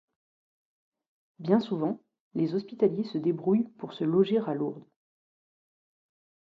Bien souvent, les hospitaliers se débrouillent pour se loger à Lourdes.